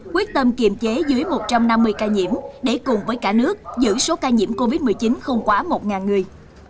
quyết tâm kiềm chế dưới một trăm năm mươi ca nhiễm để cùng với cả nước giữ số ca nhiễm covid một mươi chín không quá một người